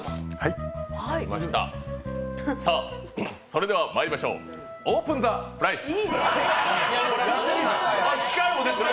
それではまいりましょうオープン・ザ・プライス。